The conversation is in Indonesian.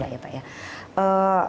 sama sekali nggak ya pak ya